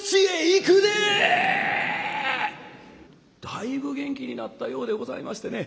だいぶ元気になったようでございましてね。